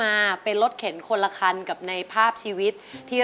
มาพบกับแก้วตานะครับนักสู้ชีวิตสู้งาน